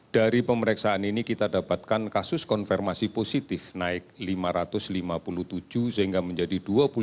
dari pemeriksaan ini kita dapatkan kasus konfirmasi positif naik lima ratus lima puluh tujuh sehingga menjadi dua puluh lima tujuh ratus tujuh puluh tiga